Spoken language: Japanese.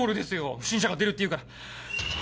不審者が出るっていうから。